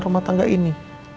rumah tangga ini